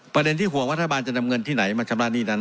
ประเด็นที่ห่วงรัฐบาลจะนำเงินที่ไหนมาชำระหนี้นั้น